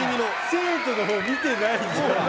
生徒の方見てないじゃん。